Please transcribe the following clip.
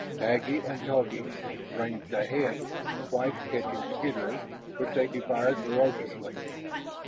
Taggi and Togi ranged ahead, twice catching skitterers, which they devoured voraciously.